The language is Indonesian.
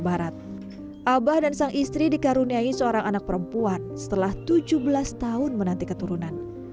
barat abah dan sang istri dikaruniai seorang anak perempuan setelah tujuh belas tahun menanti keturunan